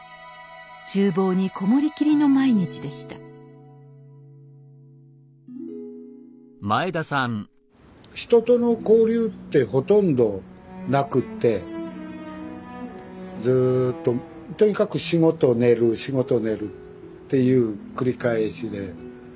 厨房に籠もりきりの毎日でした人との交流ってほとんどなくってずっととにかく仕事寝る仕事寝るっていう繰り返しで。